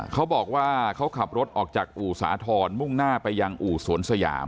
เขาบอกว่าเขาขับรถออกจากอู่สาธรณ์มุ่งหน้าไปยังอู่สวนสยาม